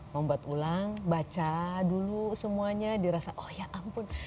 membuat ulang baca dulu semuanya dirasa oh ya ampun